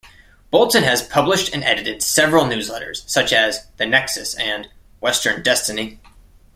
Bolton has published and edited several newsletters such as "The Nexus" and "Western Destiny".